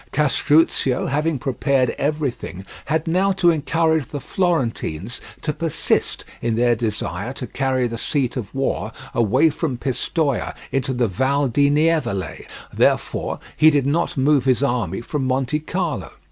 Castruccio, having prepared everything, had now to encourage the Florentines to persist in their desire to carry the seat of war away from Pistoia into the Val di Nievole, therefore he did not move his army from Montecarlo.